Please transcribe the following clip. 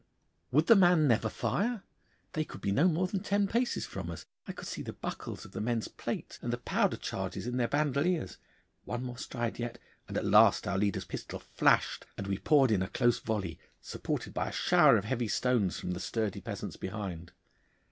Would the man never fire? They could not be more than ten paces from us. I could see the buckles of the men's plates and the powder charges in their bandoliers. One more stride yet, and at last our leader's pistol flashed and we poured in a close volley, supported by a shower of heavy stones from the sturdy peasants behind.